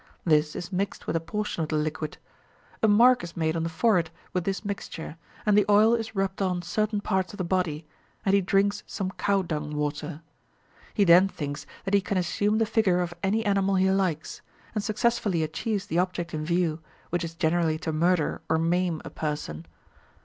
This is mixed with a portion of the liquid. A mark is made on the forehead with this mixture, and the oil is rubbed on certain parts of the body, and he drinks some cow dung water. He then thinks that he can assume the figure of any animal he likes, and successfully achieves the object in view, which is generally to murder or maim a person.